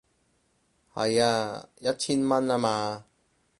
係啊，一千蚊吖嘛